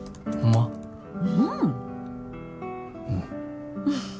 うん。